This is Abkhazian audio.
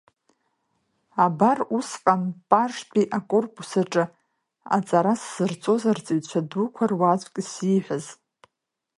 Абар усҟан Пажтәи акорпус аҿы аҵара сзырҵоз арҵаҩцәа дуқәа руаӡәк исзиҳәаз…